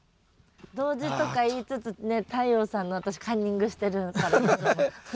同時とか言いつつね太陽さんの私カンニングしてるからいつも。